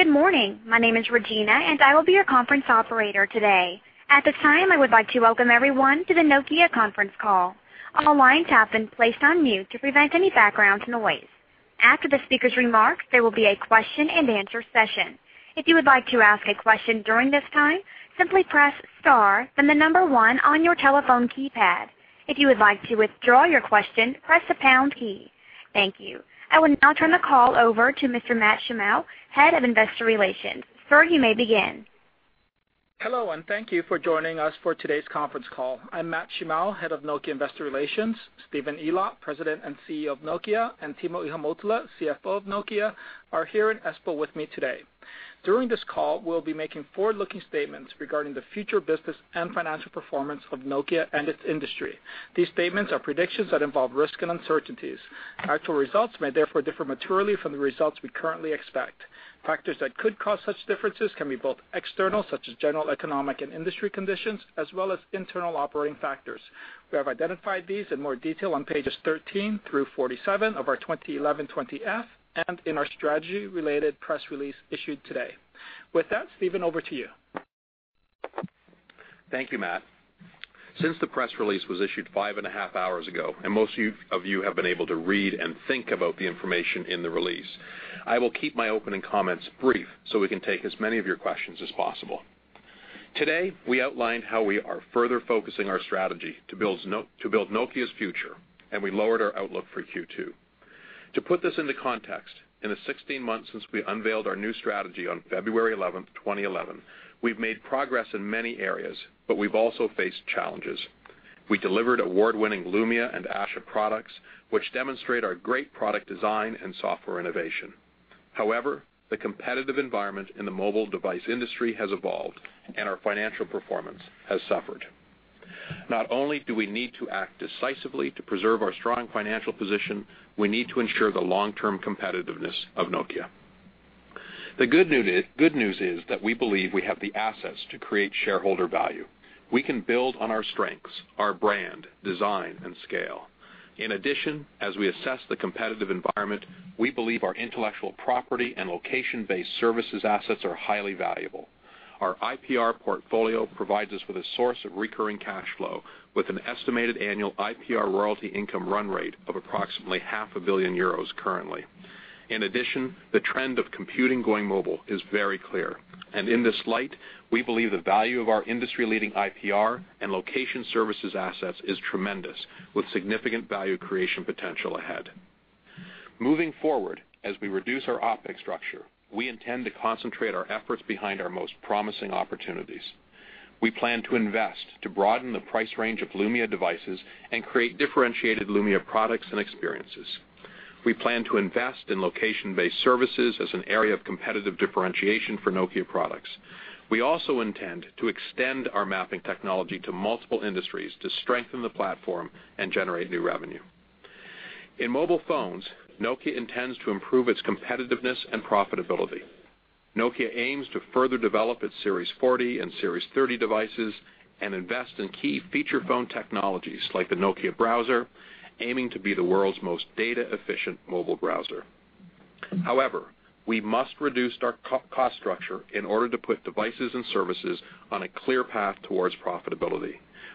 Good morning. My name is Regina, and I will be your conference operator today. At this time, I would like to welcome everyone to the Nokia conference call. All lines have been placed on mute to prevent any background noise. After the speaker's remarks, there will be a question-and-answer session. If you would like to ask a question during this time, simply press star, then the number one on your telephone keypad. If you would like to withdraw your question, press the pound key. Thank you. I will now turn the call over to Mr. Matt Shimao, Head of Investor Relations. Sir, you may begin. Hello, and thank you for joining us for today's conference call. I'm Matt Shimao, Head of Nokia Investor Relations. Stephen Elop, President and CEO of Nokia, and Timo Ihamuotila, CFO of Nokia, are here in Espoo with me today. During this call, we'll be making forward-looking statements regarding the future business and financial performance of Nokia and its industry. These statements are predictions that involve risk and uncertainties. Actual results may therefore differ materially from the results we currently expect. Factors that could cause such differences can be both external, such as general economic and industry conditions, as well as internal operating factors. We have identified these in more detail on pages 13 through 47 of our 2011 20-F and in our strategy-related press release issued today. With that, Stephen, over to you. Thank you, Matt. Since the press release was issued 5.5 hours ago, and most of you have been able to read and think about the information in the release, I will keep my opening comments brief so we can take as many of your questions as possible. Today, we outlined how we are further focusing our strategy to build Nokia's future, and we lowered our outlook for Q2. To put this into context, in the 16 months since we unveiled our new strategy on February 11, 2011, we've made progress in many areas, but we've also faced challenges. We delivered award-winning Lumia and Asha products, which demonstrate our great product design and software innovation. However, the competitive environment in the mobile device industry has evolved, and our financial performance has suffered. Not only do we need to act decisively to preserve our strong financial position, we need to ensure the long-term competitiveness of Nokia. The good news is that we believe we have the assets to create shareholder value. We can build on our strengths, our brand, design, and scale. In addition, as we assess the competitive environment, we believe our intellectual property and location-based services assets are highly valuable. Our IPR portfolio provides us with a source of recurring cash flow, with an estimated annual IPR royalty income run rate of approximately 500 million euros currently. In addition, the trend of computing going mobile is very clear, and in this light, we believe the value of our industry-leading IPR and location services assets is tremendous, with significant value creation potential ahead. Moving forward, as we reduce our OpEx structure, we intend to concentrate our efforts behind our most promising opportunities. We plan to invest to broaden the price range of Lumia devices and create differentiated Lumia products and experiences. We plan to invest in location-based services as an area of competitive differentiation for Nokia products. We also intend to extend our mapping technology to multiple industries to strengthen the platform and generate new revenue. In mobile phones, Nokia intends to improve its competitiveness and profitability. Nokia aims to further develop its Series 40 and Series 30 devices and invest in key feature phone technologies like the Nokia Browser, aiming to be the world's most data-efficient mobile browser. However, we must reduce our cost structure in order to put devices and services on a clear path towards profitability.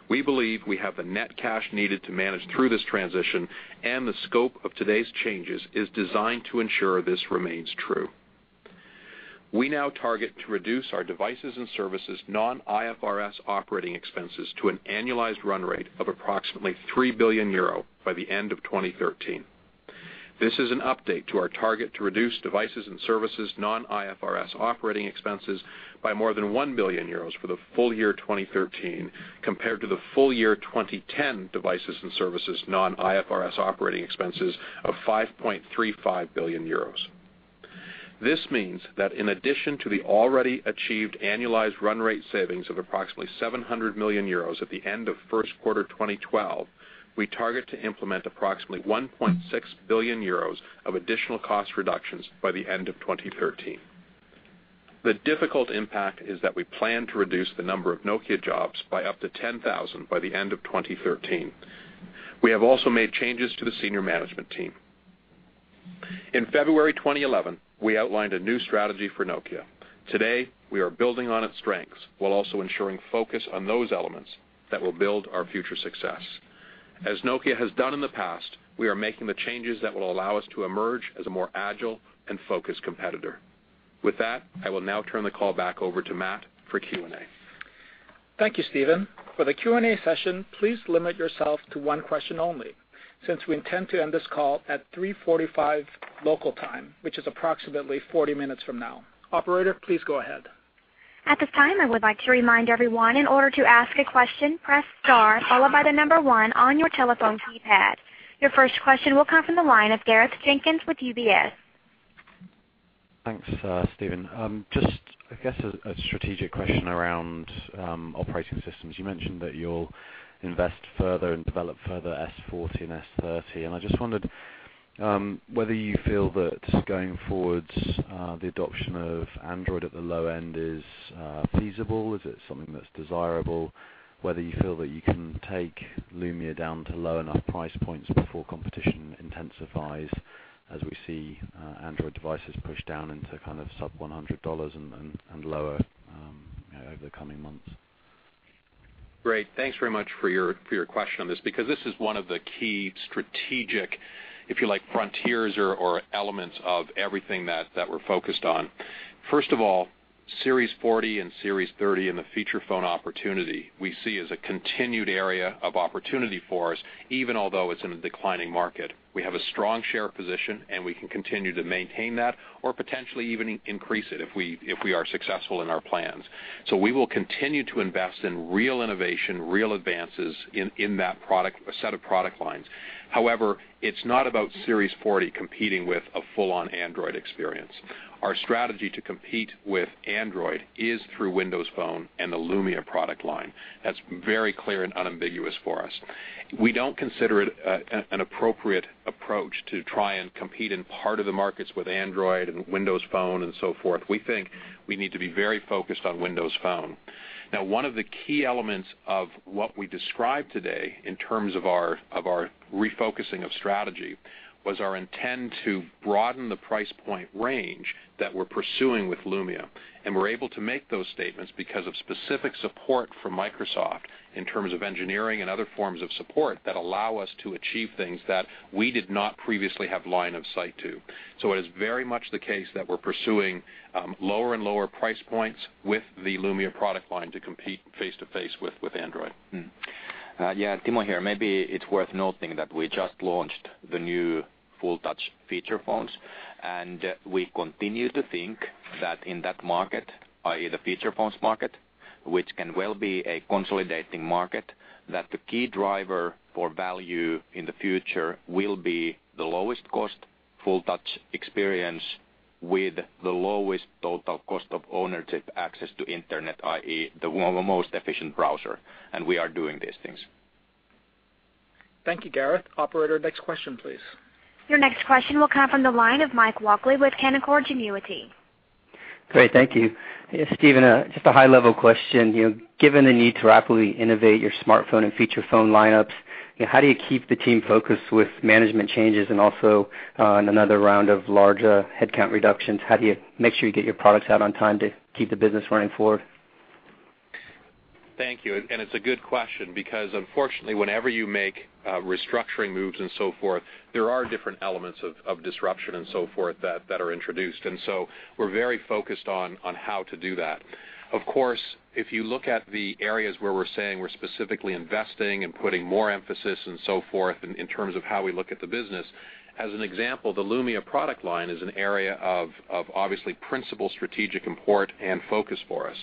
We believe we have the net cash needed to manage through this transition, and the scope of today's changes is designed to ensure this remains true. We now target to reduce our devices and services non-IFRS operating expenses to an annualized run rate of approximately 3 billion euro by the end of 2013. This is an update to our target to reduce devices and services non-IFRS operating expenses by more than 1 billion euros for the full year 2013, compared to the full year 2010 devices and services non-IFRS operating expenses of 5.35 billion euros. This means that in addition to the already achieved annualized run rate savings of approximately 700 million euros at the end of first quarter 2012, we target to implement approximately 1.6 billion euros of additional cost reductions by the end of 2013. The difficult impact is that we plan to reduce the number of Nokia jobs by up to 10,000 by the end of 2013. We have also made changes to the senior management team. In February 2011, we outlined a new strategy for Nokia. Today, we are building on its strengths while also ensuring focus on those elements that will build our future success. As Nokia has done in the past, we are making the changes that will allow us to emerge as a more agile and focused competitor. With that, I will now turn the call back over to Matt for Q&A. Thank you, Stephen. For the Q&A session, please limit yourself to one question only, since we intend to end this call at 3:45 local time, which is approximately 40 minutes from now. Operator, please go ahead. At this time, I would like to remind everyone, in order to ask a question, press star followed by the number one on your telephone keypad. Your first question will come from the line of Gareth Jenkins with UBS. Thanks, Stephen. Just, I guess, a strategic question around operating systems. You mentioned that you'll invest further and develop further S40 and S30, and I just wondered whether you feel that going forward the adoption of Android at the low end is feasible? Is it something that's desirable? Whether you feel that you can take Lumia down to low enough price points before competition intensifies, as we see Android devices push down into kind of sub-$100 and lower over the coming months? Great. Thanks very much for your, for your question on this, because this is one of the key strategic, if you like, frontiers or, or elements of everything that, that we're focused on. First of all, Series 40 and Series 30 in the feature phone opportunity, we see as a continued area of opportunity for us, even although it's in a declining market. We have a strong share position, and we can continue to maintain that or potentially even increase it if we, if we are successful in our plans. So we will continue to invest in real innovation, real advances in, in that product set of product lines. However, it's not about Series 40 competing with a full-on Android experience. Our strategy to compete with Android is through Windows Phone and the Lumia product line. That's very clear and unambiguous for us. We don't consider it an appropriate approach to try and compete in part of the markets with Android and Windows Phone and so forth. We think we need to be very focused on Windows Phone. Now, one of the key elements of what we described today in terms of our refocusing of strategy was our intent to broaden the price point range that we're pursuing with Lumia. We're able to make those statements because of specific support from Microsoft in terms of engineering and other forms of support that allow us to achieve things that we did not previously have line of sight to. So it is very much the case that we're pursuing lower and lower price points with the Lumia product line to compete face-to-face with Android. Mm-hmm. Yeah, Timo here. Maybe it's worth noting that we just launched the new full touch feature phones, and we continue to think that in that market, i.e., the feature phones market, which can well be a consolidating market, that the key driver for value in the future will be the lowest cost, full touch experience with the lowest total cost of ownership, access to internet, i.e., the most efficient browser, and we are doing these things. Thank you, Gareth. Operator, next question, please. Your next question will come from the line of Mike Walkley with Canaccord Genuity. Great, thank you. Yeah, Stephen, just a high-level question. You know, given the need to rapidly innovate your smartphone and feature phone lineups, you know, how do you keep the team focused with management changes and also, in another round of larger headcount reductions? How do you make sure you get your products out on time to keep the business running forward? Thank you, and it's a good question because unfortunately, whenever you make restructuring moves and so forth, there are different elements of disruption and so forth that are introduced, and so we're very focused on how to do that. Of course, if you look at the areas where we're saying we're specifically investing and putting more emphasis and so forth in terms of how we look at the business, as an example, the Lumia product line is an area of obviously principal strategic import and focus for us.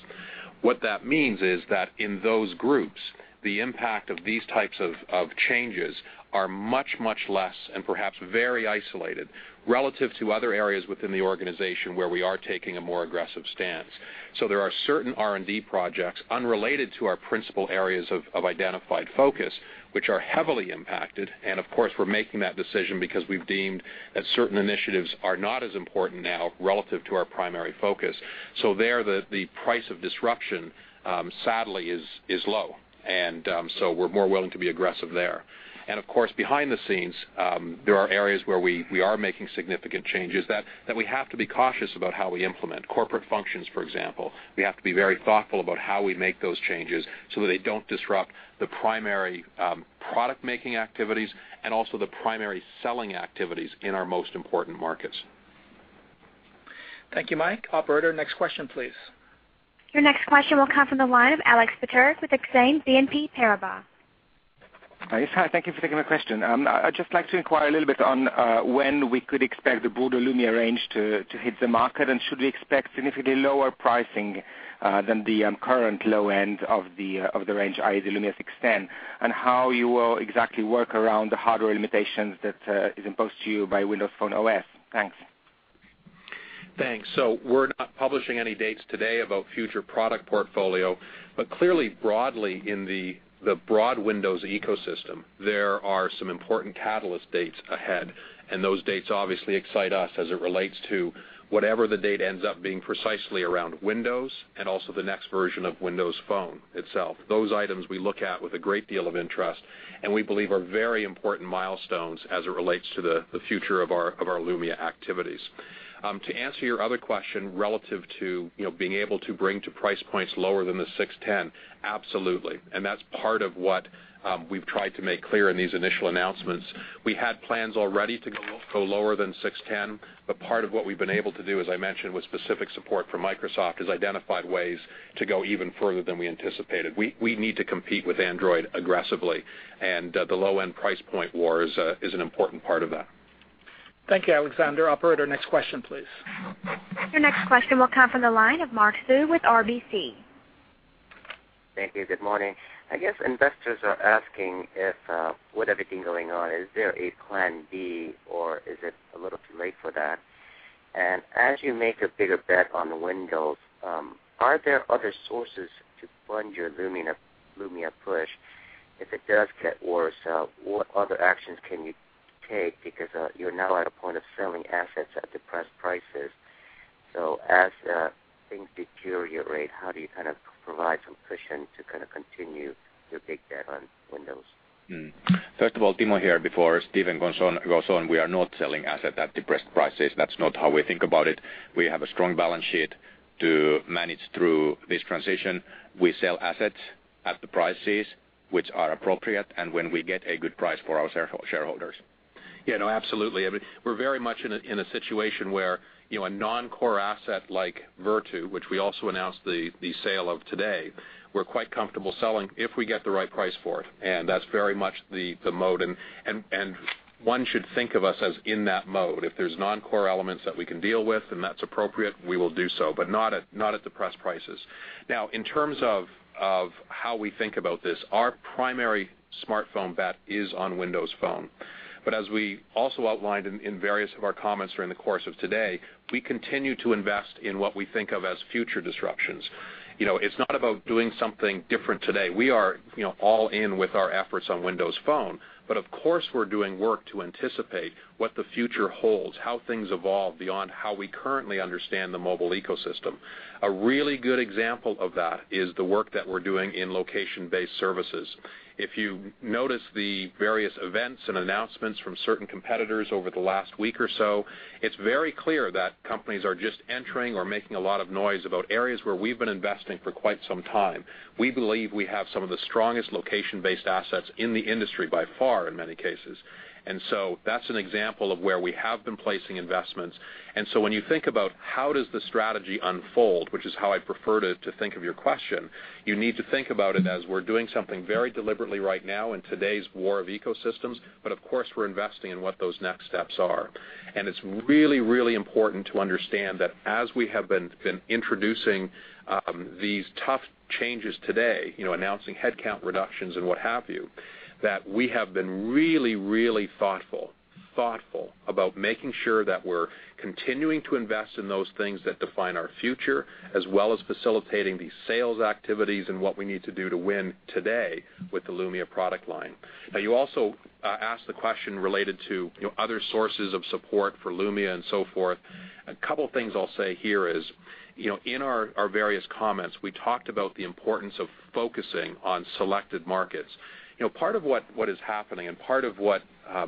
What that means is that in those groups, the impact of these types of changes are much, much less and perhaps very isolated, relative to other areas within the organization where we are taking a more aggressive stance. So there are certain R&D projects unrelated to our principal areas of identified focus, which are heavily impacted, and of course, we're making that decision because we've deemed that certain initiatives are not as important now relative to our primary focus. So there the price of disruption sadly is low, and so we're more willing to be aggressive there. And of course, behind the scenes, there are areas where we are making significant changes that we have to be cautious about how we implement. Corporate functions, for example, we have to be very thoughtful about how we make those changes so that they don't disrupt the primary product-making activities and also the primary selling activities in our most important markets. Thank you, Mike. Operator, next question, please. Your next question will come from the line of Alexander Peterc with Exane BNP Paribas. Yes, hi, thank you for taking my question. I'd just like to inquire a little bit on when we could expect the broader Lumia range to hit the market, and should we expect significantly lower pricing than the current low end of the range, i.e., the Lumia 610? And how you will exactly work around the hardware limitations that is imposed to you by Windows Phone OS? Thanks. Thanks. So we're not publishing any dates today about future product portfolio. But clearly, broadly, in the broad Windows ecosystem, there are some important catalyst dates ahead, and those dates obviously excite us as it relates to whatever the date ends up being precisely around Windows and also the next version of Windows Phone itself. Those items we look at with a great deal of interest, and we believe are very important milestones as it relates to the future of our Lumia activities. To answer your other question, relative to, you know, being able to bring to price points lower than the 610, absolutely, and that's part of what we've tried to make clear in these initial announcements. We had plans already to go lower than 610, but part of what we've been able to do, as I mentioned, with specific support from Microsoft, is identified ways to go even further than we anticipated. We need to compete with Android aggressively, and the low-end price point war is an important part of that. Thank you, Alexander. Operator, next question, please. Your next question will come from the line of Mark Sue with RBC. Thank you. Good morning. I guess investors are asking if, with everything going on, is there a plan B, or is it a little too late for that? And as you make a bigger bet on Windows, are there other sources to fund your Lumia, Lumia push? If it does get worse, what other actions can you take? Because, you're now at a point of selling assets at depressed prices. So as, things deteriorate, how do you kind of provide some cushion to kind of continue your big bet on Windows? Mm-hmm. First of all, Timo here, before Stephen goes on, we are not selling assets at depressed prices. That's not how we think about it. We have a strong balance sheet to manage through this transition. We sell assets at the prices which are appropriate and when we get a good price for our shareholders. Yeah, no, absolutely. I mean, we're very much in a situation where, you know, a non-core asset like Vertu, which we also announced the sale of today, we're quite comfortable selling if we get the right price for it, and that's very much the mode. And one should think of us as in that mode. If there's non-core elements that we can deal with and that's appropriate, we will do so, but not at depressed prices. Now, in terms of how we think about this, our primary smartphone bet is on Windows Phone. But as we also outlined in various of our comments during the course of today, we continue to invest in what we think of as future disruptions. You know, it's not about doing something different today. We are, you know, all in with our efforts on Windows Phone. But of course, we're doing work to anticipate what the future holds, how things evolve beyond how we currently understand the mobile ecosystem. A really good example of that is the work that we're doing in location-based services. If you notice the various events and announcements from certain competitors over the last week or so, it's very clear that companies are just entering or making a lot of noise about areas where we've been investing for quite some time. We believe we have some of the strongest location-based assets in the industry by far, in many cases. And so that's an example of where we have been placing investments. And so when you think about how does the strategy unfold, which is how I prefer to, to think of your question, you need to think about it as we're doing something very deliberately right now in today's war of ecosystems, but of course, we're investing in what those next steps are. And it's really, really important to understand that as we have been, been introducing, these tough changes today, you know, announcing headcount reductions and what have you, that we have been really, really thoughtful, thoughtful about making sure that we're continuing to invest in those things that define our future, as well as facilitating the sales activities and what we need to do to win today with the Lumia product line. Now, you also, asked the question related to, you know, other sources of support for Lumia and so forth. A couple of things I'll say here is, you know, in our various comments, we talked about the importance of focusing on selected markets. You know, part of what is happening and part of what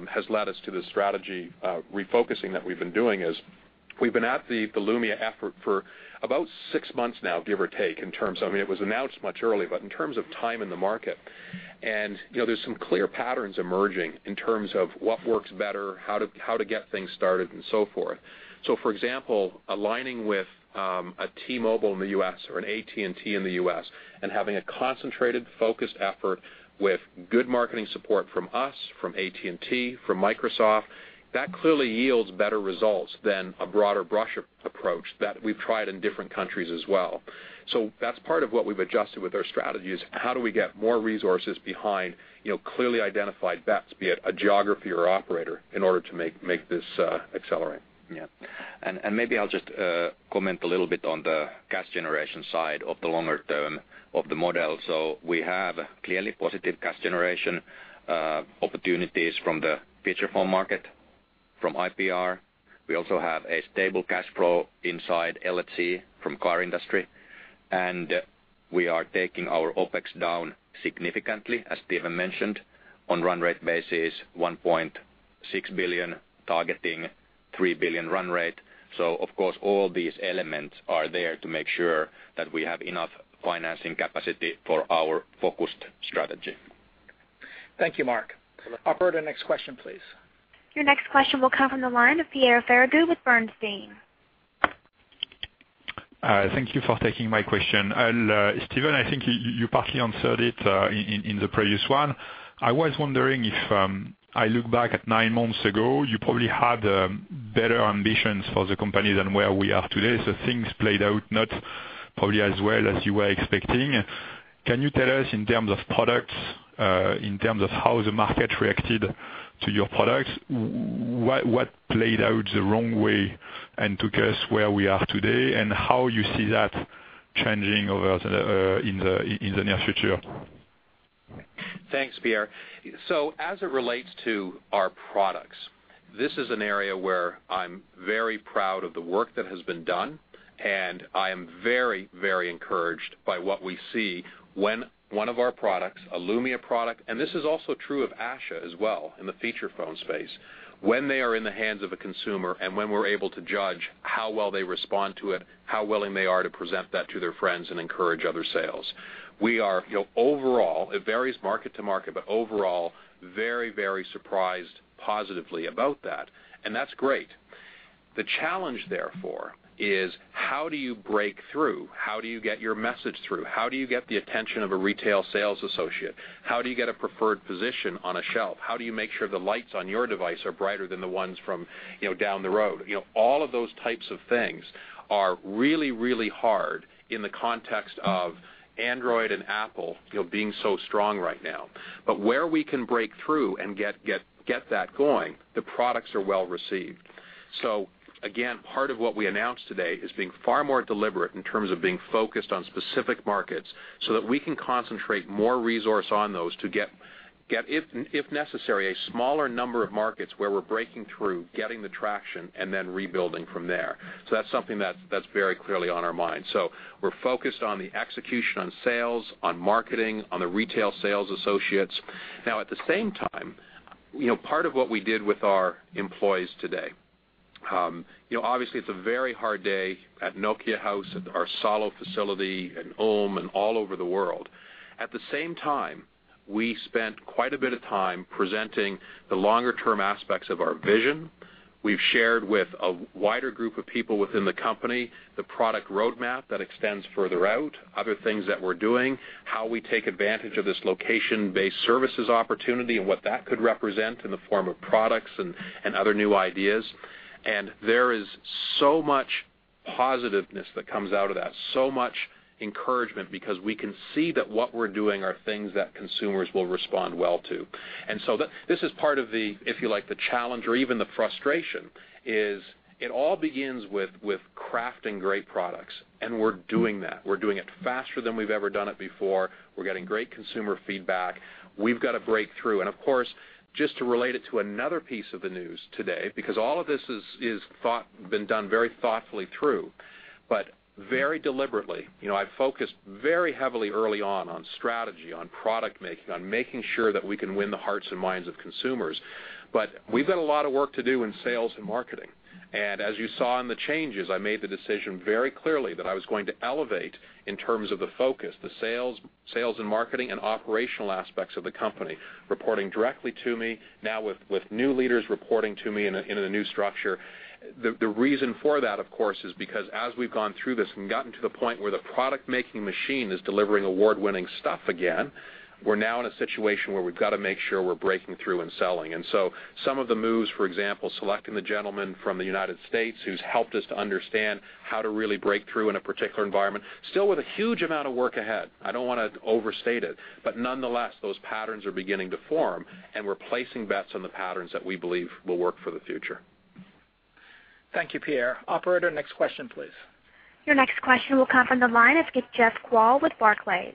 has led us to this strategy refocusing that we've been doing is we've been at the Lumia effort for about six months now, give or take, in terms of... I mean, it was announced much earlier, but in terms of time in the market. And, you know, there's some clear patterns emerging in terms of what works better, how to get things started and so forth. So for example, aligning with a T-Mobile in the U.S. or an AT&T in the U.S., and having a concentrated, focused effort with good marketing support from us, from AT&T, from Microsoft, that clearly yields better results than a broader-brush approach that we've tried in different countries as well. So that's part of what we've adjusted with our strategy is: How do we get more resources behind, you know, clearly identified bets, be it a geography or operator, in order to make, make this accelerate? Yeah. And maybe I'll just comment a little bit on the cash generation side of the longer term of the model. So we have clearly positive cash generation opportunities from the feature phone market, from IPR. We also have a stable cash flow inside LFC from car industry, and we are taking our OpEx down significantly, as Stephen mentioned, on run rate basis, 1.6 billion, targeting 3 billion run rate. So of course, all these elements are there to make sure that we have enough financing capacity for our focused strategy. Thank you, Mark. Operator, next question, please. Your next question will come from the line of Pierre Ferragu with Bernstein. Thank you for taking my question. I'll, Stephen, I think you partly answered it in the previous one. I was wondering if I look back at nine months ago, you probably had better ambitions for the company than where we are today. So things played out not probably as well as you were expecting. Can you tell us in terms of products, in terms of how the market reacted to your products, what played out the wrong way and took us where we are today, and how you see that changing over the in the near future? Thanks, Pierre. So as it relates to our products, this is an area where I'm very proud of the work that has been done, and I am very, very encouraged by what we see when one of our products, a Lumia product, and this is also true of Asha as well in the feature phone space, when they are in the hands of a consumer, and when we're able to judge how well they respond to it, how willing they are to present that to their friends and encourage other sales. We are, you know, overall, it varies market to market, but overall, very, very surprised positively about that, and that's great. The challenge, therefore, is how do you break through? How do you get your message through? How do you get the attention of a retail sales associate? How do you get a preferred position on a shelf? How do you make sure the lights on your device are brighter than the ones from, you know, down the road? You know, all of those types of things are really, really hard in the context of Android and Apple, you know, being so strong right now. But where we can break through and get that going, the products are well received. So again, part of what we announced today is being far more deliberate in terms of being focused on specific markets so that we can concentrate more resource on those to get, if necessary, a smaller number of markets where we're breaking through, getting the traction, and then rebuilding from there. So that's something that's very clearly on our mind. So we're focused on the execution, on sales, on marketing, on the retail sales associates. Now, at the same time, you know, part of what we did with our employees today, you know, obviously, it's a very hard day at Nokia House, at our Salo facility, and Oulu, and all over the world. At the same time, we spent quite a bit of time presenting the longer-term aspects of our vision. We've shared with a wider group of people within the company, the product roadmap that extends further out, other things that we're doing, how we take advantage of this location-based services opportunity and what that could represent in the form of products and other new ideas. And there is so much positiveness that comes out of that, so much encouragement because we can see that what we're doing are things that consumers will respond well to. This is part of the, if you like, the challenge or even the frustration, is that it all begins with crafting great products, and we're doing that. We're doing it faster than we've ever done it before. We're getting great consumer feedback. We've got a breakthrough. And of course, just to relate it to another piece of the news today, because all of this has been done very thoughtfully, but very deliberately. You know, I focused very heavily early on, on strategy, on product making, on making sure that we can win the hearts and minds of consumers. But we've got a lot of work to do in sales and marketing. As you saw in the changes, I made the decision very clearly that I was going to elevate in terms of the focus, the sales, sales and marketing and operational aspects of the company, reporting directly to me, now with, with new leaders reporting to me in a, in a new structure. The, the reason for that, of course, is because as we've gone through this and gotten to the point where the product-making machine is delivering award-winning stuff again, we're now in a situation where we've got to make sure we're breaking through and selling. So some of the moves, for example, selecting the gentleman from the United States, who's helped us to understand how to really break through in a particular environment, still with a huge amount of work ahead. I don't want to overstate it, but nonetheless, those patterns are beginning to form, and we're placing bets on the patterns that we believe will work for the future. Thank you, Pierre. Operator, next question, please. Your next question will come from the line of Jeff Kvaal with Barclays.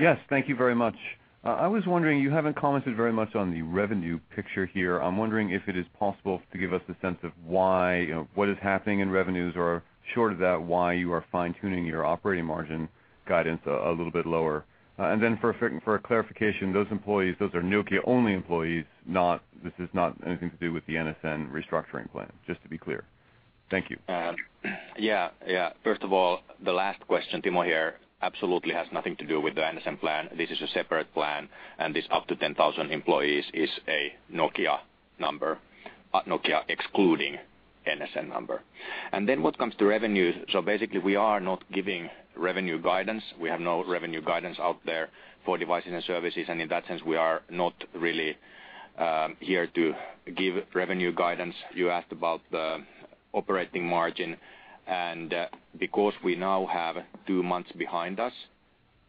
Yes, thank you very much. I was wondering, you haven't commented very much on the revenue picture here. I'm wondering if it is possible to give us a sense of why, you know, what is happening in revenues, or short of that, why you are fine-tuning your operating margin guidance a little bit lower? And then for a, for a clarification, those employees, those are Nokia-only employees, not, this is not anything to do with the NSN restructuring plan, just to be clear. Thank you. Yeah. Yeah, first of all, the last question, Timo here, absolutely has nothing to do with the NSN plan. This is a separate plan, and this up to 10,000 employees is a Nokia number, Nokia excluding NSN number. And then what comes to revenue, so basically, we are not giving revenue guidance. We have no revenue guidance out there for devices and services, and in that sense, we are not really here to give revenue guidance. You asked about the operating margin, and because we now have two months behind us,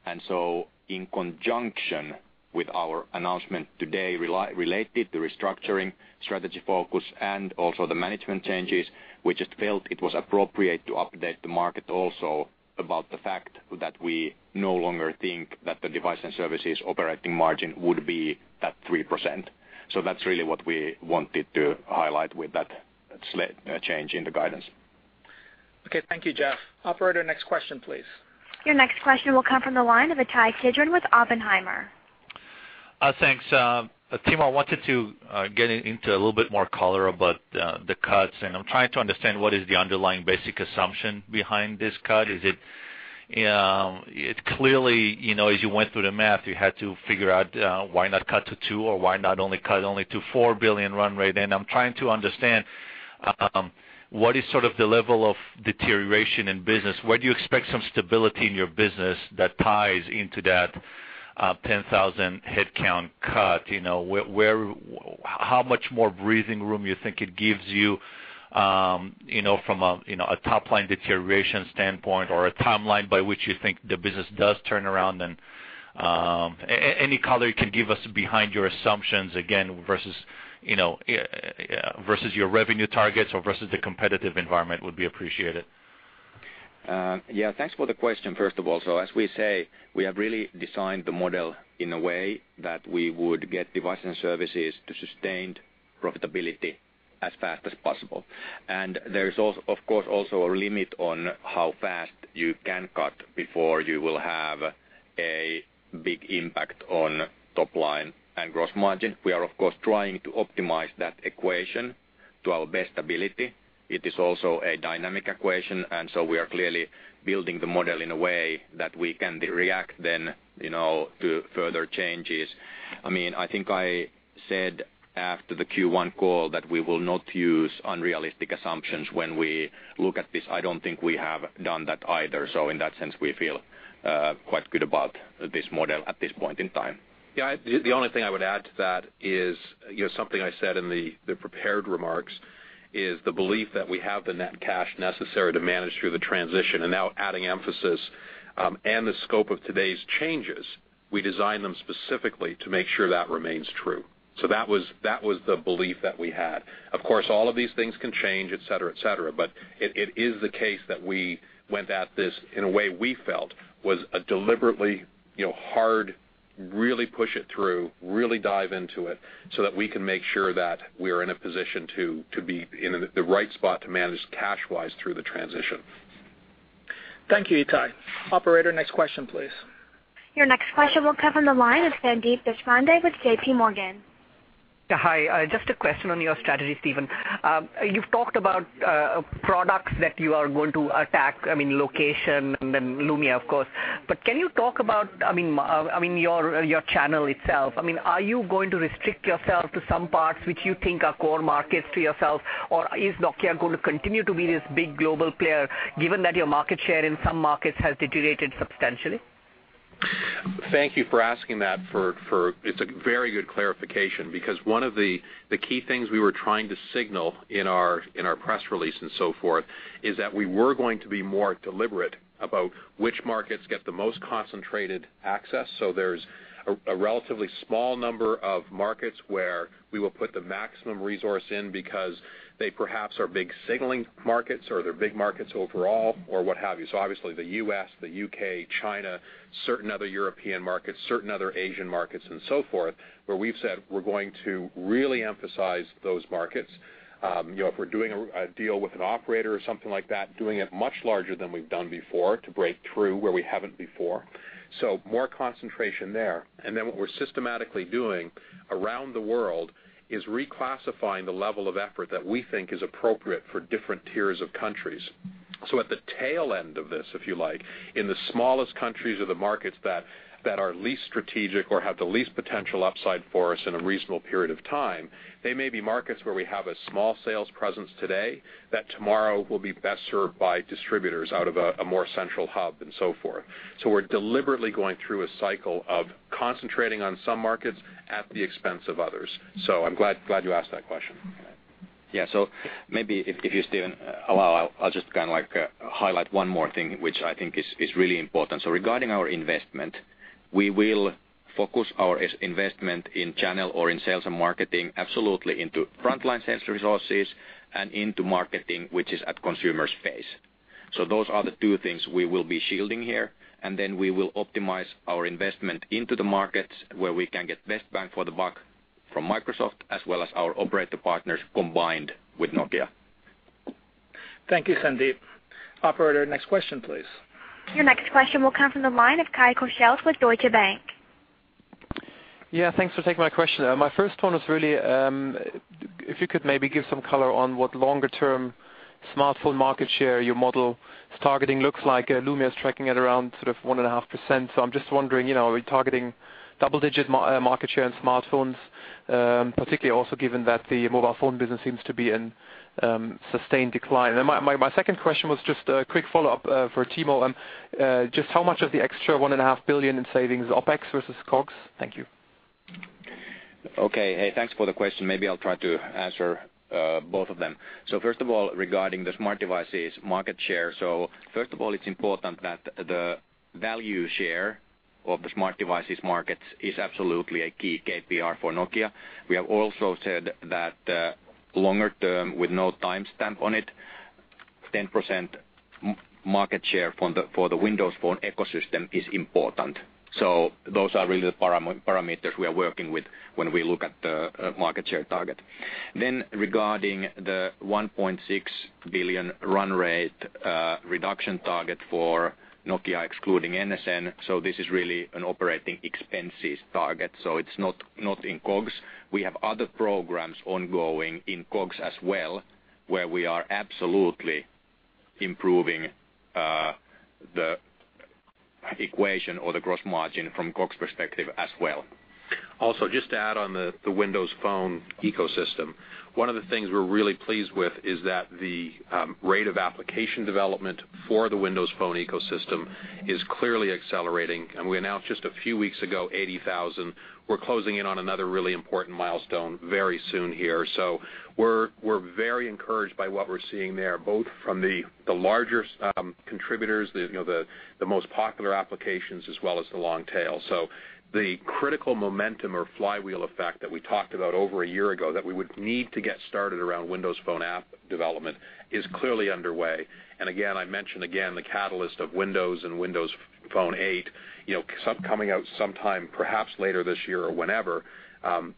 and so in conjunction with our announcement today, related to restructuring, strategy focus, and also the management changes, we just felt it was appropriate to update the market also about the fact that we no longer think that the device and services operating margin would be that 3%. So that's really what we wanted to highlight with that slight change in the guidance. Okay, thank you, Jeff. Operator, next question, please. Your next question will come from the line of Ittai Kidron with Oppenheimer. Thanks. Timo, I wanted to get into a little bit more color about the cuts, and I'm trying to understand what is the underlying basic assumption behind this cut. Is it, it clearly, you know, as you went through the math, you had to figure out, why not cut to 2 billion or why not only cut only to 4 billion run rate. And I'm trying to understand, what is sort of the level of deterioration in business? Where do you expect some stability in your business that ties into that, 10,000 headcount cut? You know, where, where, how much more breathing room you think it gives you, you know, from a, you know, a top-line deterioration standpoint or a timeline by which you think the business does turn around? Any color you can give us behind your assumptions, again, versus, you know, versus your revenue targets or versus the competitive environment would be appreciated. Yeah, thanks for the question, first of all. So as we say, we have really designed the model in a way that we would get device and services to sustained profitability as fast as possible. And there is, of course, also a limit on how fast you can cut before you will have a big impact on top line and gross margin. We are, of course, trying to optimize that equation to our best ability. It is also a dynamic equation, and so we are clearly building the model in a way that we can react then, you know, to further changes. I mean, I think I said after the Q1 call that we will not use unrealistic assumptions when we look at this. I don't think we have done that either. So in that sense, we feel quite good about this model at this point in time. Yeah, the only thing I would add to that is, you know, something I said in the prepared remarks, is the belief that we have the net cash necessary to manage through the transition, and now adding emphasis, and the scope of today's changes, we designed them specifically to make sure that remains true. So that was the belief that we had. Of course, all of these things can change, et cetera, et cetera, but it is the case that we went at this in a way we felt was a deliberately, you know, hard, really push it through, really dive into it, so that we can make sure that we are in a position to be in the right spot to manage cash-wise through the transition. Thank you, Ittai Operator, next question, please. Your next question will come from the line of Sandeep Deshpande with J.P. Morgan. Hi, just a question on your strategy, Stephen. You've talked about products that you are going to attack, I mean, location and then Lumia, of course. But can you talk about, I mean, your channel itself? I mean, are you going to restrict yourself to some parts which you think are core markets to yourself, or is Nokia going to continue to be this big global player, given that your market share in some markets has deteriorated substantially? Thank you for asking that. It's a very good clarification because one of the key things we were trying to signal in our press release and so forth is that we were going to be more deliberate about which markets get the most concentrated access. So there's a relatively small number of markets where we will put the maximum resource in because they perhaps are big signaling markets or they're big markets overall, or what have you. So obviously, the U.S., the U.K., China, certain other European markets, certain other Asian markets and so forth, where we've said we're going to really emphasize those markets. You know, if we're doing a deal with an operator or something like that, doing it much larger than we've done before to break through where we haven't before. So more concentration there. And then what we're systematically doing around the world is reclassifying the level of effort that we think is appropriate for different tiers of countries. So at the tail end of this, if you like, in the smallest countries or the markets that, that are least strategic or have the least potential upside for us in a reasonable period of time, they may be markets where we have a small sales presence today, that tomorrow will be best served by distributors out of a, a more central hub and so forth. So we're deliberately going through a cycle of concentrating on some markets at the expense of others. So I'm glad, glad you asked that question. Yeah. So maybe if you, Stephen, allow, I'll just kind of like highlight one more thing, which I think is really important. So regarding our investment, we will focus our investment in channel or in sales and marketing, absolutely into frontline sales resources and into marketing, which is at consumer space. So those are the two things we will be shielding here, and then we will optimize our investment into the markets where we can get best bang for the buck from Microsoft, as well as our operator partners combined with Nokia. Thank you, Sandeep. Operator, next question, please. Your next question will come from the line of Kai Korschelt with Deutsche Bank. Yeah, thanks for taking my question. My first one was really, if you could maybe give some color on what longer-term smartphone market share your model is targeting looks like. Lumia is tracking at around sort of 1.5%. So I'm just wondering, you know, are we targeting double-digit market share in smartphones, particularly also given that the mobile phone business seems to be in sustained decline? And my second question was just a quick follow-up for Timo. Just how much of the extra 1.5 billion in savings, OpEx versus COGS? Thank you. Okay, hey, thanks for the question. Maybe I'll try to answer both of them. So first of all, regarding the smart devices market share. So first of all, it's important that the value share of the smart devices markets is absolutely a key KPI for Nokia. We have also said that, longer term, with no timestamp on it, 10% market share for the Windows Phone ecosystem is important. So those are really the parameters we are working with when we look at the market share target. Then regarding the 1.6 billion run rate reduction target for Nokia, excluding NSN, so this is really an operating expenses target, so it's not in COGS. We have other programs ongoing in COGS as well, where we are absolutely improving the equation or the gross margin from COGS perspective as well. Also, just to add on the Windows Phone ecosystem. One of the things we're really pleased with is that the rate of application development for the Windows Phone ecosystem is clearly accelerating, and we announced just a few weeks ago, 80,000. We're closing in on another really important milestone very soon here. So we're very encouraged by what we're seeing there, both from the larger contributors, you know, the most popular applications as well as the long tail. So the critical momentum or flywheel effect that we talked about over a year ago, that we would need to get started around Windows Phone app development is clearly underway. And again, I mention again the catalyst of Windows and Windows Phone 8, you know, coming out sometime, perhaps later this year or whenever,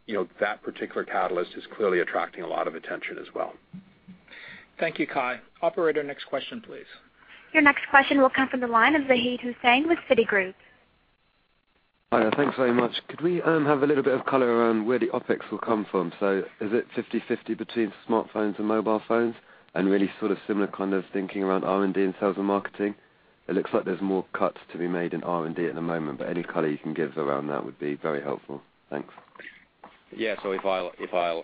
you know, that particular catalyst is clearly attracting a lot of attention as well. Thank you, Kai. Operator, next question, please. Your next question will come from the line of Zahid Hussain with Citigroup. Hi, thanks very much. Could we have a little bit of color around where the OpEx will come from? So is it 50/50 between smartphones and mobile phones and really sort of similar kind of thinking around R&D and sales and marketing? It looks like there's more cuts to be made in R&D at the moment, but any color you can give us around that would be very helpful. Thanks. Yeah. So if I'll, if I'll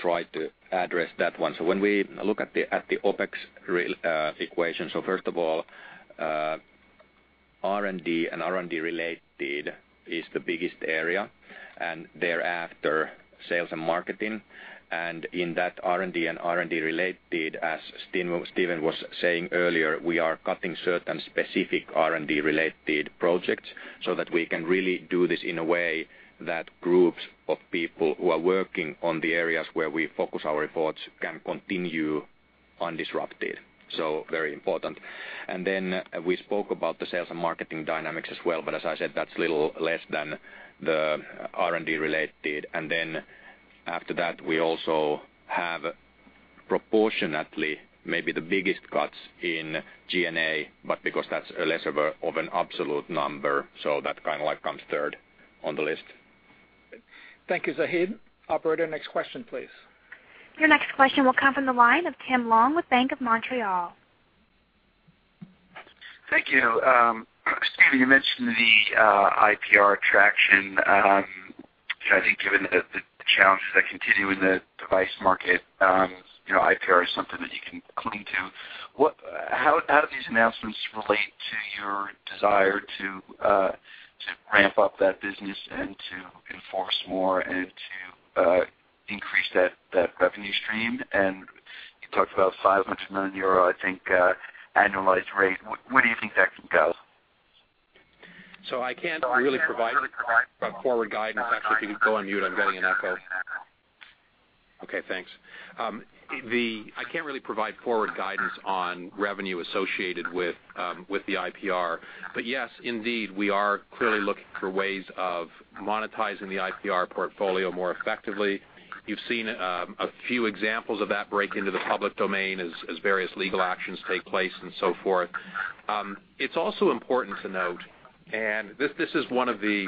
try to address that one. So when we look at the, at the OpEx equation, so first of all, R&D and R&D-related is the biggest area, and thereafter, sales and marketing. And in that R&D and R&D-related, as Stephen was saying earlier, we are cutting certain specific R&D-related projects so that we can really do this in a way that groups of people who are working on the areas where we focus our efforts can continue undisrupted. So very important. And then we spoke about the sales and marketing dynamics as well, but as I said, that's little less than the R&D-related. And then after that, we also have proportionately, maybe the biggest cuts in G&A, but because that's less of a, of an absolute number, so that kind of like comes third on the list. Thank you, Zahid. Operator, next question, please. Your next question will come from the line of Tim Long with Bank of Montreal. Thank you. Stephen, you mentioned the IPR traction. I think given the challenges that continue in the device market, you know, IPR is something that you can cling to. What—how, how do these announcements relate to your desire to ramp up that business and to enforce more and to increase that revenue stream? And you talked about 500 million euro, I think, annualized rate. Where do you think that can go? So I can't really provide a forward guidance. Actually, if you could go on mute, I'm getting an echo. Okay, thanks. I can't really provide forward guidance on revenue associated with the IPR. But yes, indeed, we are clearly looking for ways of monetizing the IPR portfolio more effectively. You've seen a few examples of that break into the public domain as various legal actions take place and so forth. It's also important to note, and this is one of the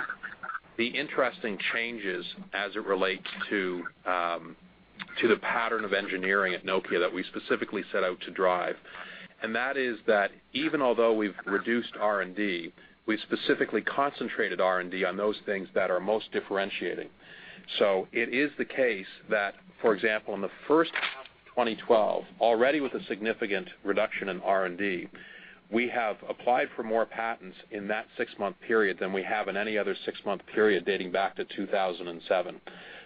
interesting changes as it relates to the pattern of engineering at Nokia that we specifically set out to drive, and that is that even although we've reduced R&D, we specifically concentrated R&D on those things that are most differentiating. So it is the case that, for example, in the first half of 2012, already with a significant reduction in R&D, we have applied for more patents in that six-month period than we have in any other six-month period dating back to 2007.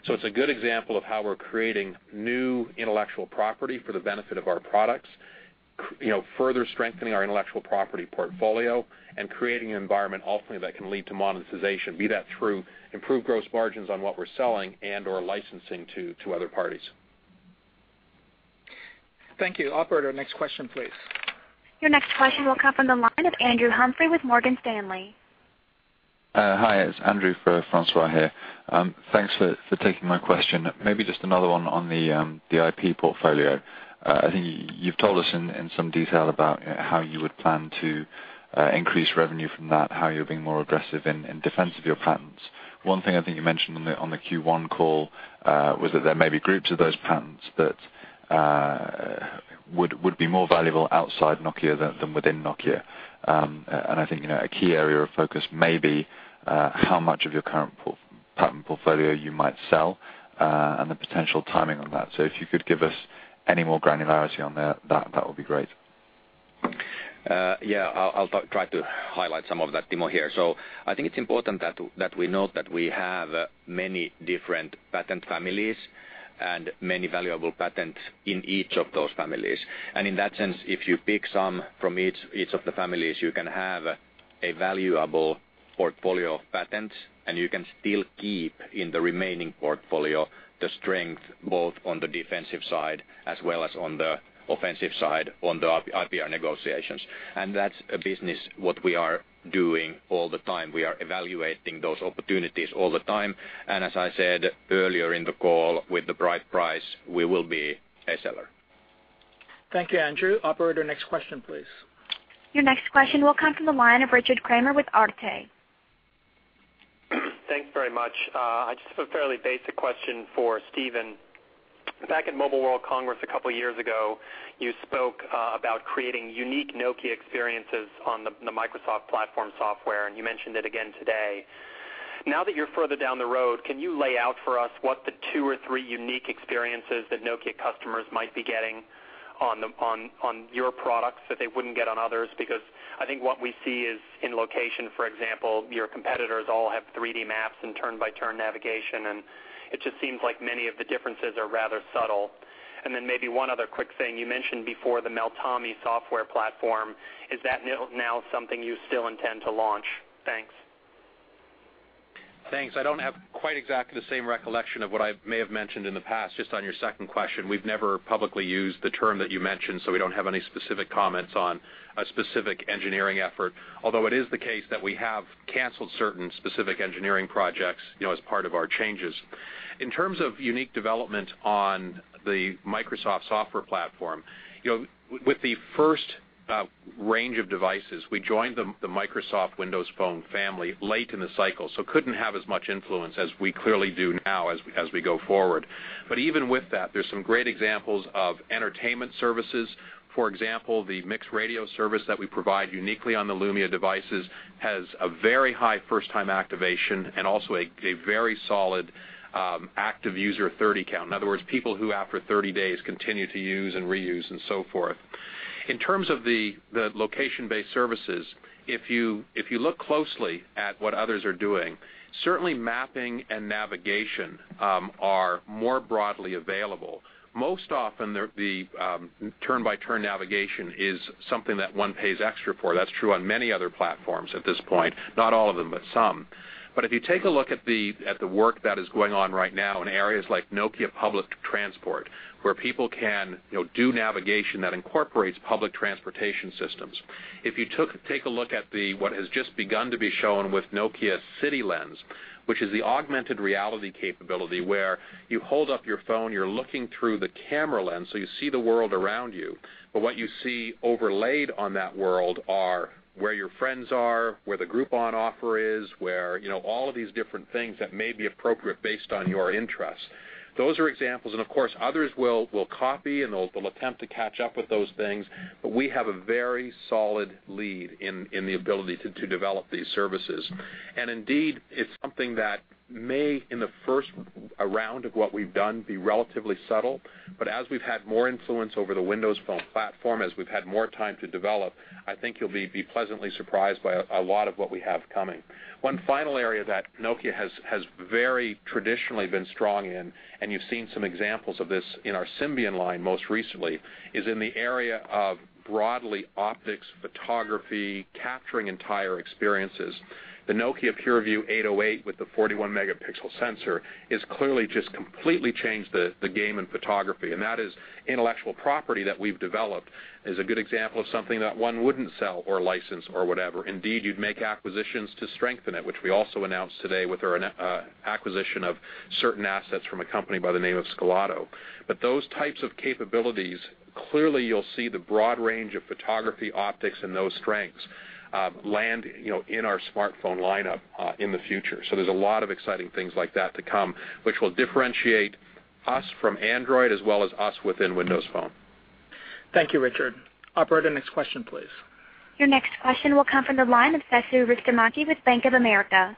So it's a good example of how we're creating new intellectual property for the benefit of our products, you know, further strengthening our intellectual property portfolio and creating an environment, ultimately, that can lead to monetization, be that through improved gross margins on what we're selling and/or licensing to, to other parties. Thank you. Operator, next question, please. Your next question will come from the line of Andrew Humphrey with Morgan Stanley. Hi, it's Andrew Humphrey for François Meunier here. Thanks for, for taking my question. Maybe just another one on the, the IP portfolio. I think you've told us in, in some detail about how you would plan to, increase revenue from that, how you're being more aggressive in, in defense of your patents. One thing I think you mentioned on the, on the Q1 call, was that there may be groups of those patents that, would, would be more valuable outside Nokia than, than within Nokia. And I think, you know, a key area of focus may be, how much of your current patent portfolio you might sell, and the potential timing on that. So if you could give us any more granularity on that, that would be great. Yeah, I'll try to highlight some of that, Timo, here. So I think it's important that we note that we have many different patent families and many valuable patents in each of those families. And in that sense, if you pick some from each of the families, you can have a valuable portfolio of patents, and you can still keep in the remaining portfolio the strength, both on the defensive side as well as on the offensive side, on the IPR negotiations. And that's a business what we are doing all the time. We are evaluating those opportunities all the time. And as I said earlier in the call, with the right price, we will be a seller. Thank you, Andrew. Operator, next question, please. Your next question will come from the line of Richard Kramer with Arete. Thanks very much. I just have a fairly basic question for Stephen. Back at Mobile World Congress a couple of years ago, you spoke about creating unique Nokia experiences on the Microsoft platform software, and you mentioned it again today. Now that you're further down the road, can you lay out for us what the two or three unique experiences that Nokia customers might be getting on the, on, on your products that they wouldn't get on others? Because I think what we see is in location, for example, your competitors all have 3D maps and turn-by-turn navigation, and it just seems like many of the differences are rather subtle. And then maybe one other quick thing. You mentioned before the Meltemi software platform. Is that now something you still intend to launch? Thanks. Thanks. I don't have quite exactly the same recollection of what I may have mentioned in the past. Just on your second question, we've never publicly used the term that you mentioned, so we don't have any specific comments on a specific engineering effort, although it is the case that we have canceled certain specific engineering projects, you know, as part of our changes. In terms of unique development on the Microsoft software platform, you know, with the first range of devices, we joined the Microsoft Windows Phone family late in the cycle, so couldn't have as much influence as we clearly do now as we go forward. But even with that, there's some great examples of entertainment services. For example, the MixRadio service that we provide uniquely on the Lumia devices has a very high first-time activation and also a very solid active user 30 count. In other words, people who, after 30 days, continue to use and reuse and so forth. In terms of the location-based services, if you look closely at what others are doing, certainly mapping and navigation are more broadly available. Most often, they're the turn-by-turn navigation is something that one pays extra for. That's true on many other platforms at this point, not all of them, but some. But if you take a look at the work that is going on right now in areas like Nokia Public Transport, where people can, you know, do navigation that incorporates public transportation systems. If you take a look at what has just begun to be shown with Nokia City Lens, which is the augmented reality capability, where you hold up your phone, you're looking through the camera lens, so you see the world around you. But what you see overlaid on that world are where your friends are, where the Groupon offer is, where, you know, all of these different things that may be appropriate based on your interests. Those are examples, and of course, others will copy, and they'll attempt to catch up with those things. But we have a very solid lead in the ability to develop these services. And indeed, it's something that may, in the first round of what we've done, be relatively subtle. But as we've had more influence over the Windows Phone platform, as we've had more time to develop, I think you'll be, be pleasantly surprised by a, a lot of what we have coming. One final area that Nokia has, has very traditionally been strong in, and you've seen some examples of this in our Symbian line most recently, is in the area of broadly optics, photography, capturing entire experiences. The Nokia PureView 808 with the 41-megapixel sensor has clearly just completely changed the, the game in photography, and that is intellectual property that we've developed, is a good example of something that one wouldn't sell or license or whatever. Indeed, you'd make acquisitions to strengthen it, which we also announced today with our an, acquisition of certain assets from a company by the name of Scalado. But those types of capabilities, clearly, you'll see the broad range of photography, optics, and those strengths, land, you know, in our smartphone lineup, in the future. So there's a lot of exciting things like that to come, which will differentiate us from Android as well as us within Windows Phone. Thank you, Richard. Operator, next question, please. Your next question will come from the line of Stuart Jeffrey with Nomura.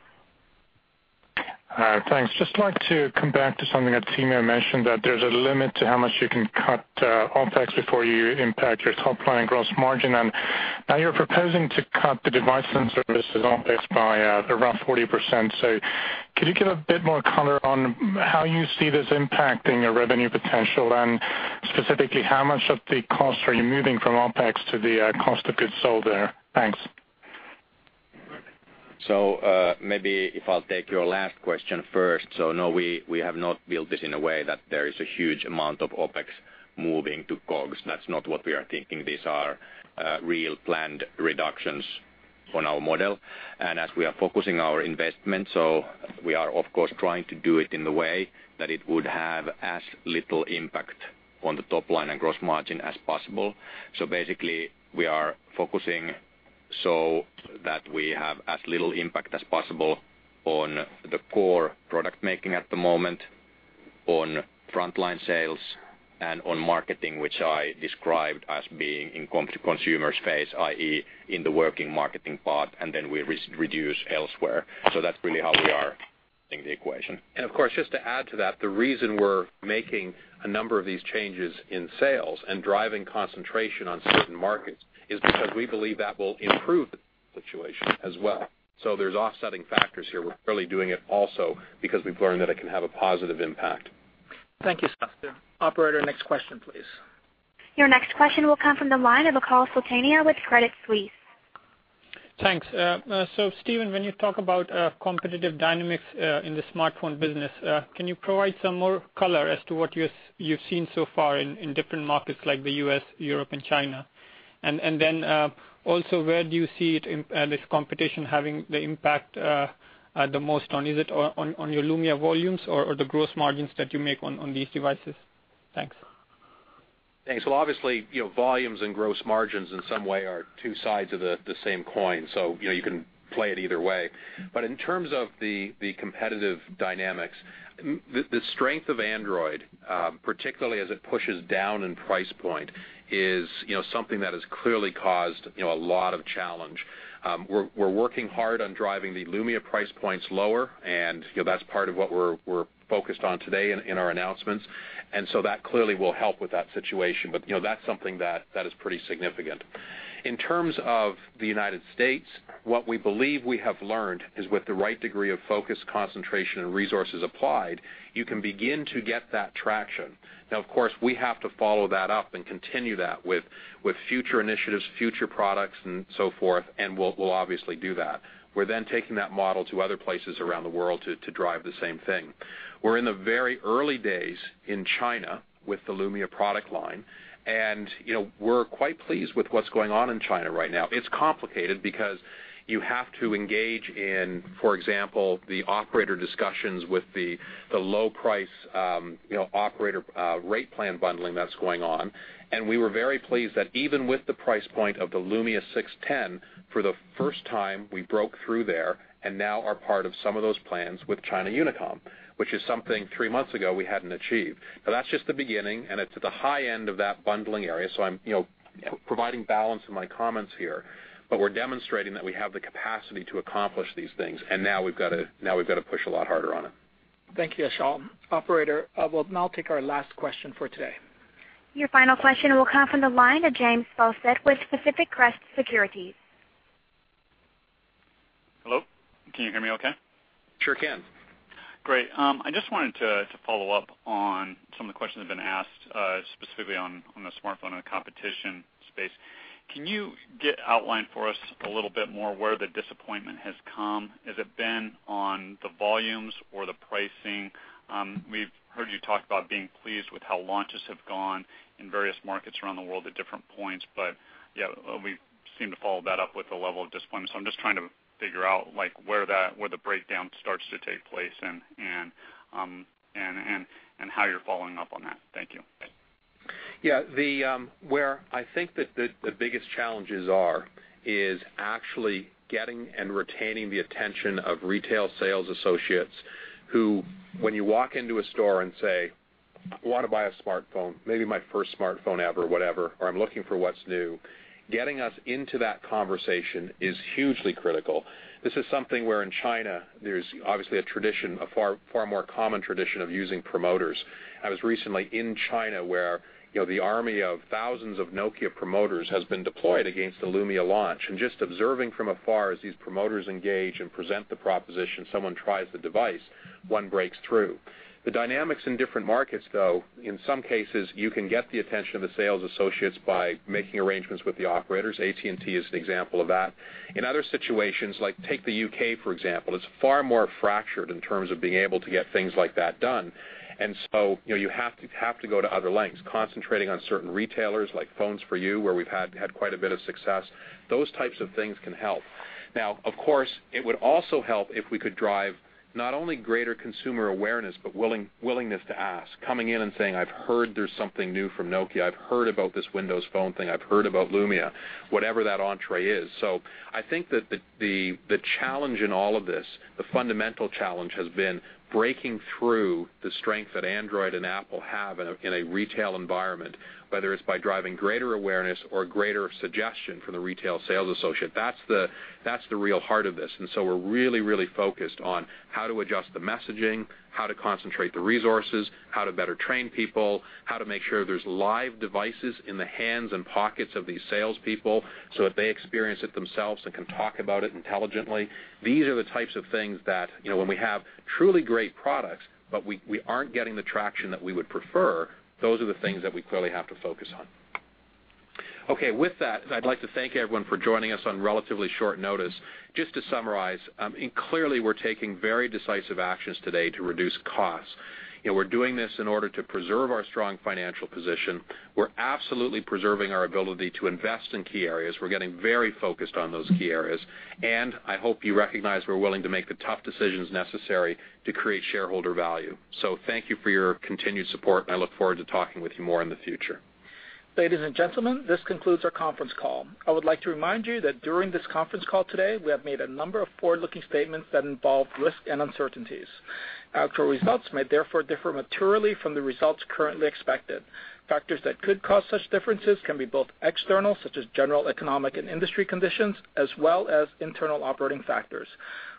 Thanks. Just like to come back to something that Timo mentioned, that there's a limit to how much you can cut OpEx before you impact your top line gross margin. And now you're proposing to cut the device and services OpEx by around 40%. So could you give a bit more color on how you see this impacting your revenue potential? And specifically, how much of the cost are you moving from OpEx to the cost of goods sold there? Thanks. So, maybe if I'll take your last question first. So no, we, we have not built this in a way that there is a huge amount of OpEx moving to COGS. That's not what we are thinking. These are real planned reductions on our model. And as we are focusing our investment, so we are, of course, trying to do it in the way that it would have as little impact on the top line and gross margin as possible. So basically, we are focusing so that we have as little impact as possible on the core product making at the moment, on frontline sales and on marketing, which I described as being in consumer space, i.e., in the working marketing part, and then we reduce elsewhere. So that's really how we are doing the equation. Of course, just to add to that, the reason we're making a number of these changes in sales and driving concentration on certain markets is because we believe that will improve the situation as well. There's offsetting factors here. We're really doing it also because we've learned that it can have a positive impact. Thank you, Stuart. Operator, next question, please. Your next question will come from the line of Achal Sultania with Credit Suisse. Thanks. So Stephen, when you talk about competitive dynamics in the smartphone business, can you provide some more color as to what you've seen so far in different markets like the U.S., Europe, and China? Then, also, where do you see this competition having the impact the most on, is it on your Lumia volumes or the gross margins that you make on these devices? Thanks. Thanks. Well, obviously, you know, volumes and gross margins in some way are two sides of the, the same coin, so you know, you can play it either way. But in terms of the, the competitive dynamics, the, the strength of Android, particularly as it pushes down in price point, is, you know, something that has clearly caused, you know, a lot of challenge. We're, we're working hard on driving the Lumia price points lower, and, you know, that's part of what we're, we're focused on today in, in our announcements. And so that clearly will help with that situation. But, you know, that's something that, that is pretty significant. In terms of the United States, what we believe we have learned is with the right degree of focus, concentration, and resources applied, you can begin to get that traction. Now, of course, we have to follow that up and continue that with future initiatives, future products, and so forth, and we'll obviously do that. We're then taking that model to other places around the world to drive the same thing. We're in the very early days in China with the Lumia product line, and you know, we're quite pleased with what's going on in China right now. It's complicated because you have to engage in, for example, the operator discussions with the low price, you know, operator rate plan bundling that's going on. And we were very pleased that even with the price point of the Lumia 610, for the first time, we broke through there and now are part of some of those plans with China Unicom, which is something three months ago we hadn't achieved. But that's just the beginning, and it's at the high end of that bundling area, so I'm, you know, providing balance in my comments here. But we're demonstrating that we have the capacity to accomplish these things, and now we've got to, now we've got to push a lot harder on it. Thank you, Achal. Operator, we'll now take our last question for today. Your final question will come from the line of James Faucette with Pacific Crest Securities. Hello, can you hear me okay? Sure can. Great. I just wanted to follow up on some of the questions that have been asked, specifically on the smartphone and the competition space. Can you outline for us a little bit more where the disappointment has come? Has it been on the volumes or the pricing? We've heard you talk about being pleased with how launches have gone in various markets around the world at different points. But, yeah, we seem to follow that up with a level of disappointment. So I'm just trying to figure out, like, where that breakdown starts to take place and how you're following up on that. Thank you. Yeah, where I think that the biggest challenges are is actually getting and retaining the attention of retail sales associates who, when you walk into a store and say, "I want to buy a smartphone," maybe my first smartphone ever, whatever, or I'm looking for what's new. Getting us into that conversation is hugely critical. This is something where in China, there's obviously a tradition, a far, far more common tradition of using promoters. I was recently in China, where, you know, the army of thousands of Nokia promoters has been deployed against the Lumia launch. And just observing from afar as these promoters engage and present the proposition, someone tries the device, one breaks through. The dynamics in different markets, though, in some cases, you can get the attention of the sales associates by making arrangements with the operators. AT&T is an example of that. In other situations, like, take the U.K., for example, it's far more fractured in terms of being able to get things like that done. And so you know, you have to, have to go to other lengths. Concentrating on certain retailers, like Phones 4u, where we've had, had quite a bit of success. Those types of things can help. Now, of course, it would also help if we could drive not only greater consumer awareness, but willingness to ask. Coming in and saying, "I've heard there's something new from Nokia. I've heard about this Windows Phone thing. I've heard about Lumia," whatever that entry is. So I think that the challenge in all of this, the fundamental challenge, has been breaking through the strength that Android and Apple have in a retail environment, whether it's by driving greater awareness or greater suggestion from the retail sales associate. That's the real heart of this. And so we're really, really focused on how to adjust the messaging, how to concentrate the resources, how to better train people, how to make sure there's live devices in the hands and pockets of these salespeople, so that they experience it themselves and can talk about it intelligently. These are the types of things that, you know, when we have truly great products, but we aren't getting the traction that we would prefer, those are the things that we clearly have to focus on. Okay, with that, I'd like to thank everyone for joining us on relatively short notice. Just to summarize, and clearly, we're taking very decisive actions today to reduce costs. You know, we're doing this in order to preserve our strong financial position. We're absolutely preserving our ability to invest in key areas. We're getting very focused on those key areas. I hope you recognize we're willing to make the tough decisions necessary to create shareholder value. So thank you for your continued support, and I look forward to talking with you more in the future. Ladies and gentlemen, this concludes our conference call. I would like to remind you that during this conference call today, we have made a number of forward-looking statements that involve risks and uncertainties. Actual results may therefore differ materially from the results currently expected. Factors that could cause such differences can be both external, such as general economic and industry conditions, as well as internal operating factors.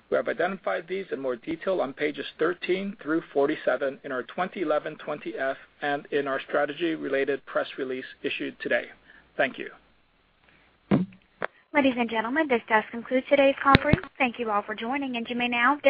We have identified these in more detail on pages 13 through 47 in our 2011 20-F and in our strategy-related press release issued today. Thank you. Ladies and gentlemen, this does conclude today's conference. Thank you all for joining, and you may now disconnect.